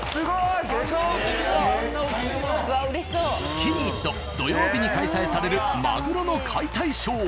月に一度土曜日に開催されるマグロの解体ショー。